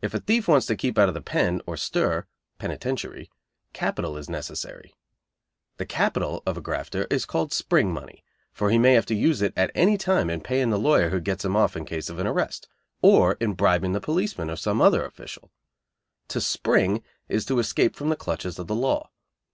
If a thief wants to keep out of the "pen" or "stir," (penitentiary) capital is a necessity. The capital of a grafter is called "spring money," for he may have to use it at any time in paying the lawyer who gets him off in case of an arrest, or in bribing the policeman or some other official. To "spring," is to escape from the clutches of the law.